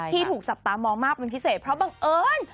ถูกจับตามองมากเป็นพิเศษเพราะบังเอิญ